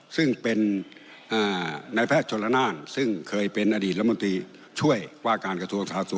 ซึ่งเป็นนายแพทย์ชนละนานซึ่งเคยเป็นอดีตรัฐมนตรีช่วยว่าการกระทรวงสาธารณสุข